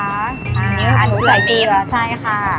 อันนี้ใส่เกลือใช่ค่ะ